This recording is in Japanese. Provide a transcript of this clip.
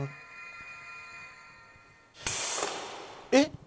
えっ！？